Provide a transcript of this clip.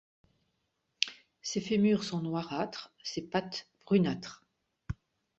Ses fémurs sont noirâtres, ses pattes brunâtres.